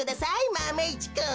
マメ１くん。